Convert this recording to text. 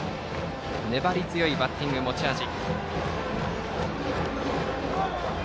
粘り強いバッティングが持ち味。